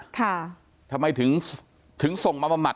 ทำไมถึงถึงส่งมาบำบัด